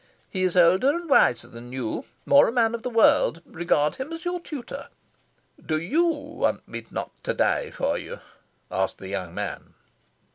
"He is older and wiser than you. More a man of the world. Regard him as your tutor." "Do YOU want me not to die for you?" asked the young man.